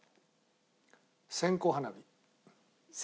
線香花火。